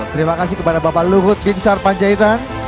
terima kasih kepada bapak luhut bin sarpanjaitan